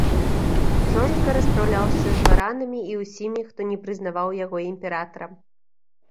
Жорстка распраўляўся з дваранамі і ўсімі, хто не прызнаваў яго імператарам.